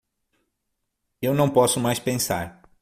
Eu não posso mais pensar.